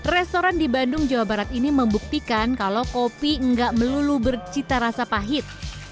restoran di bandung jawa barat ini membuktikan kalau kopi enggak melulu bercita rasa pahit